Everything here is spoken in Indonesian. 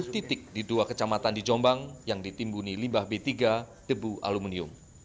sepuluh titik di dua kecamatan di jombang yang ditimbuni limbah b tiga debu aluminium